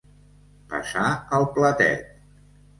Passar el platet.